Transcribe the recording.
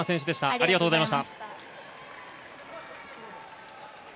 ありがとうございます。